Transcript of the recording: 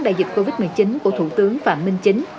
đại dịch covid một mươi chín của thủ tướng phạm minh chính